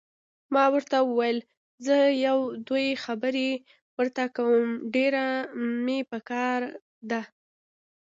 ما ورته وویل: زه یو دوې خبرې ورته کوم، ډېره مې پکار ده.